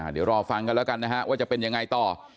เดี๋ยวรอฟังกันแล้วกันนะฮะว่าจะเป็นยังไงต่อ